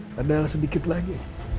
padahal sedikit lagi